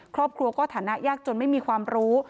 ครอบครัวก็ฐานะยากจนไม่มีความรู้